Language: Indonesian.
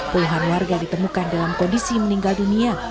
puluhan warga ditemukan dalam kondisi meninggal dunia